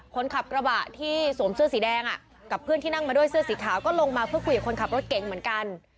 คนขับกระบะที่สวมเสื้อสีแดงกับเพื่อนที่นั่งมาด้วยเสื้อสีขาวก็ลงมาเพื่อคุยกับคนขับรถเก๋งเหมือนกัน